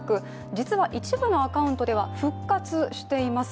実は一部のアカウントでは復活しています。